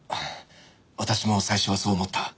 私も最初はそう思った。